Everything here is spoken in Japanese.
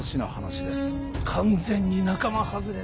完全に仲間外れだ。